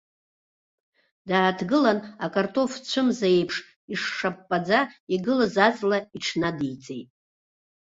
Дааҭгылан, акартоф цәымза аиԥш ишшапаӡа игылаз аҵла иҽнадиҵеит.